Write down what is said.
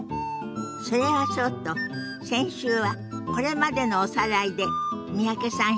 それはそうと先週はこれまでのおさらいで三宅さん